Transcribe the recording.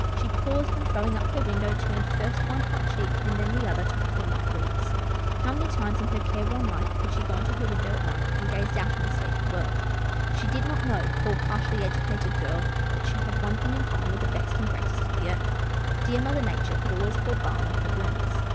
" She paused, and, throwing up her window, turned first one hot cheek and then the other to the cool night breeze. How many times in her careworn life had she gone to her window at night, and gazed out on a sleeping world. She did not know — poor, partially educated girl — that she had one thing in common with the best and greatest of the earth. LITTLE HOUSETOP 159 Dear Mother Nature could always pour balm on her wounds.